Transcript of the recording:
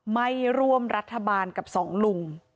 ไม่ร่วมรัฐบาลกับสองลุง